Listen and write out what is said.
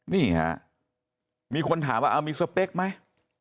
นี่ฮะมีคนถามว่ามีสเปคไหม